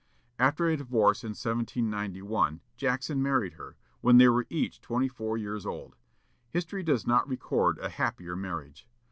After a divorce in 1791, Jackson married her, when they were each twenty four years old. History does not record a happier marriage.